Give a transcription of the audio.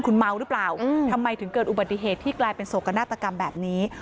คุณเมาหรือเปล่าทำไมถึงเกิดอุบัติเหตุที่กลายเป็นโศกนาฏกรรมแบบนี้